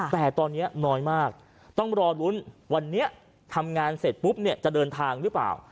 แต่ตอนนี้น้อยมากต้องรอลุ้นวันนี้ทำงานเสร็จปุ๊บเนี่ยจะเดินทางหรือเปล่า